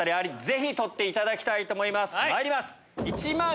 ぜひ取っていただきたいと思います。